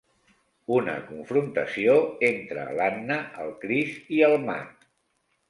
Una confrontació entre l'Anna, el Chris i el Mat.